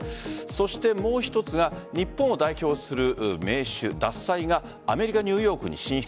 そして、もう一つが日本を代表する銘酒・獺祭がアメリカ・ニューヨークに進出。